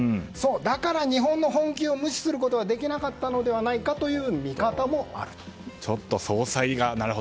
だから日本の本気を無視することはできなかったのではないかという見方もあると。